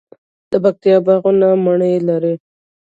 د پکتیا باغونه مڼې لري.